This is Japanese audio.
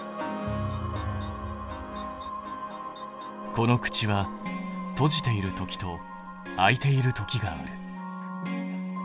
この口は閉じている時と開いている時がある。